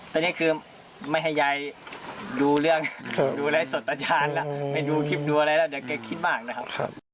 แต่นี่คือไม่ให้ยายดูเรื่องดูอะไรสนตาชานละไม่ดูคลิปดูอะไรแล้วเดี๋ยวแก่คิดมากนะครับ